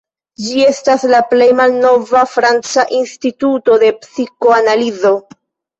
Ĝi estas la plej malnova franca instituto de psikoanalizo.